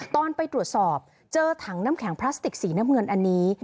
ตอนไปตรวจสอบเจอถังน้ำแข็งพลาสติกสีน้ำเงินอันนี้